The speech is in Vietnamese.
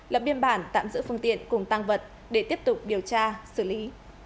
lập biên bản tạm giữ phương tiện cùng tăng vật để tiếp tục điều tra xử lý